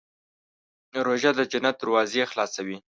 روژه د جنت دروازې خلاصوي.